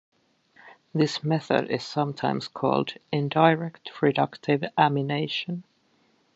This method is sometimes called indirect reductive amination.